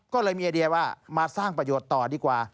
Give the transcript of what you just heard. ก็เลยมีไอเดียว่ามาสร้างประโยชน์ต่อดีกว่า